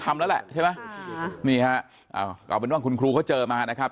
ทำแล้วแหละใช่ไหมนี่ฮะอ้าวเอาเป็นว่าคุณครูเขาเจอมานะครับ